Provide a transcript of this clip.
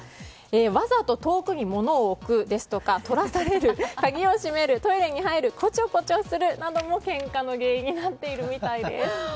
わざと遠くにものを置くですとか取らされる、鍵を閉めるトイレに入るこちょこちょするなどもけんかの原因になっているみたいです。